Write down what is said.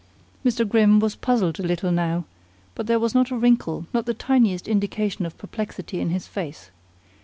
Mr. Grimm was puzzled a little now, but there was not a wrinkle, nor the tiniest indication of perplexity in his face.